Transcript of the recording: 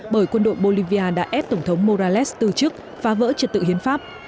bởi quân đội bolivia đã ép tổng thống morales từ chức phá vỡ trật tự hiến pháp